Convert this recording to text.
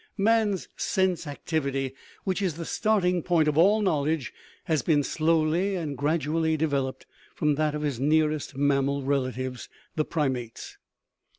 Man's sense activity, which is the starting point of all knowledge, has been slowly and gradually devel oped from that of his nearest mammal relatives, the primates.